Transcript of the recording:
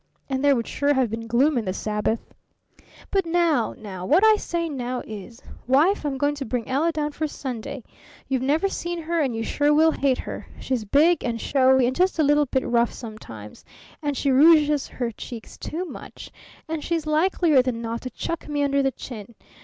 And there would sure have been gloom in the Sabbath. "But now now what I say now is: 'Wife, I'm going to bring Ella down for Sunday. You've never seen her, and you sure will hate her. She's big, and showy, and just a little bit rough sometimes, and she rouges her cheeks too much, and she's likelier than not to chuck me under the chin.